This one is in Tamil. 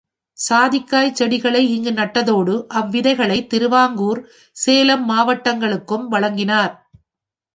சாதிக்காய்ச் செடிகளை இங்கு நட்டதோடு, அவ்விதைகளைத் திருவாங்கூர், சேலம் மாவட்டங்களுக்கும் வழங்கினார்.